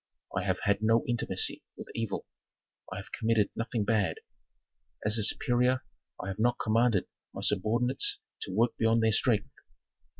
I have had no intimacy with evil. I have committed nothing bad. As a superior I have not commanded my subordinates to work beyond their strength.